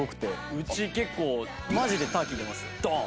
うち結構マジでターキー出ますドーン！